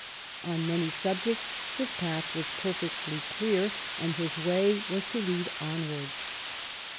On many subjects his path was perfectly clear, and his way was to lead onwards.